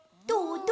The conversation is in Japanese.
どう？